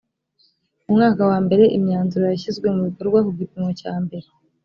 mu mwaka wa mbere imyanzuro yashyizwe mu bikorwa ku gipimo cya mbere